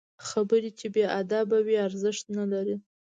خبرې چې بې ادبه وي، ارزښت نلري